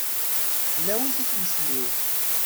Ḥlawit i tmesliwt.